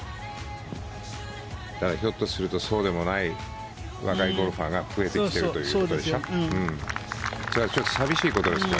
ひょっとするとそうでもない若いゴルファーが増えてきているということでしょ